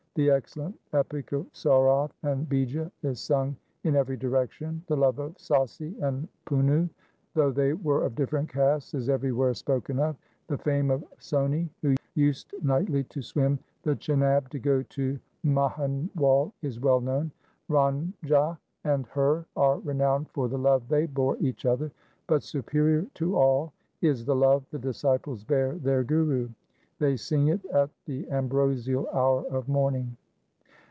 The excellent epic of Sorath and Bija is sung in every direction. The love of Sassi and Punnu, though they were of different castes, is everywhere spoken of. The fame of Sohni who used nightly to swim the Chinab to go to Mahinwal is well known. Ranjha and 1 XXVI. 2 XXVIII. 262 THE SIKH RELIGION Hir are renowned for the love they bore each other. But superior to all is the love the disciples bear their Guru. They sing it at the ambrosial hour of morning.